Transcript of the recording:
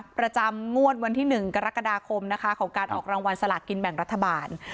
ประจำงวดวันที่๑กรกฎาคมนะคะของการออกรางวัลสลากกินแบ่งรัฐบาล